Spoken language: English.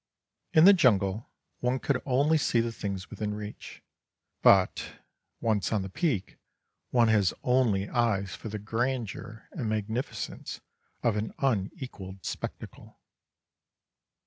In the jungle one could only see the things within reach, but, once on the peak, one has only eyes for the grandeur and magnificence of an unequalled spectacle.